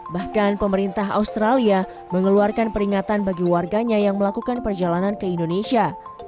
bahkan pemerintah australia mengeluarkan peringatan bagi warganya yang melakukan perjalanan ke indonesia